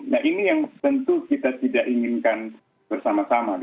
nah ini yang tentu kita tidak inginkan bersama sama